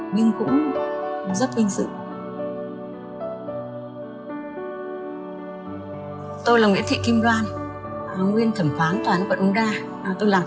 nhưng cũng rất vinh dự